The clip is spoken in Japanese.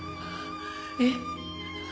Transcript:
えっ？